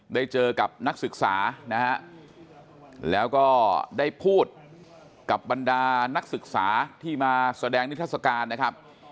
ได้เจอกับนักศึกษานะฮะแล้วก็ได้พูดกับบรรดานักศึกษาที่มาแสดงนิทัศกาลนะครับ